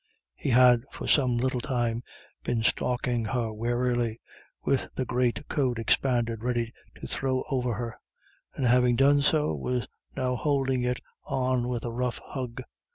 He had for some little time been stalking her warily, with the great coat expanded ready to throw over her, and having done so, was now holding it on with a rough hug.